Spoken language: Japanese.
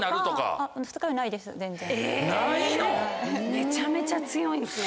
めちゃめちゃ強いんですね。